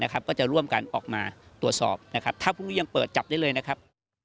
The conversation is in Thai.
ก็จะร่วมกันออกมาตรวจสอบนะครับถ้าพรุ่งนี้ยังเปิดจับได้เลยนะครับ